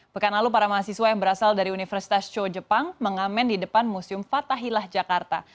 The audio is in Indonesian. pekan lalu para mahasiswa yang berasal dari universitas show jepang mengamen di depan museum fathahilah jakarta